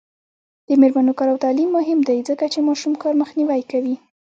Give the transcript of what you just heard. د میرمنو کار او تعلیم مهم دی ځکه چې ماشوم کار مخنیوی کوي.